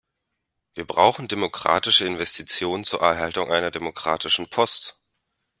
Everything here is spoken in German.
Wir brauchen demokratische Investitionen zur Erhaltung einer demokratischen Post.